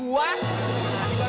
lu buang kemana ke kaki lu